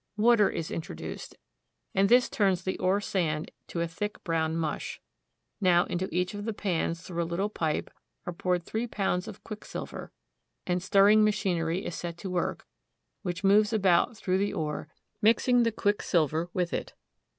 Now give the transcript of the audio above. Water is introduced, and this turns the ore sand to a thick brown mush. Now into each of the pans, through a little pipe, are A DAY IN A SILVER MINE. 255 poured three pounds of quicksilver, and stirring machinery is set to work, which moves about through the ore, mix ing the quicksilver with it.